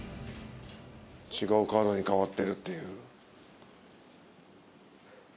違うカードに変わってるっていう。